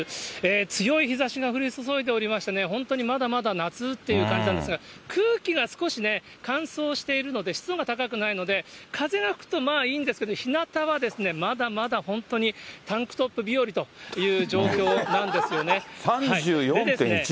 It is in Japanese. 強い日ざしが降り注いでおりましてね、本当にまだまだ夏っていう感じなんですが、空気が少しね、乾燥しているので、湿度が高くないので、風が吹くとまあいいんですけど、日向はまだまだ本当にタンクトップ日和という状況なんですよね。